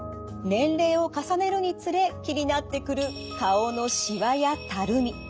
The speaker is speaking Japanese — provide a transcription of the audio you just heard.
年齢を重ねるにつれ気になってくる顔のしわやたるみ。